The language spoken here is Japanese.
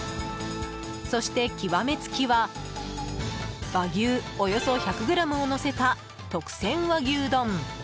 そして極めつきは和牛およそ１００ｇをのせた特選和牛丼。